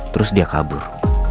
terus dia kabur